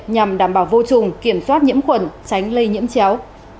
nhằm đảm bảo vô trùng kiểm soát nhiễm khuẩn tránh lây nhiễm chéo